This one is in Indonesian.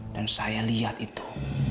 dan saya lihat itu